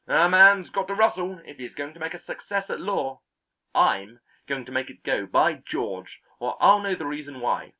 A man's got to rustle if he's going to make a success at law. I'm going to make it go, by George, or I'll know the reason why.